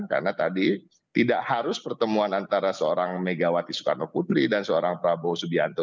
karena tadi tidak harus pertemuan antara seorang megawati soekarno kudri dan seorang prabowo subianto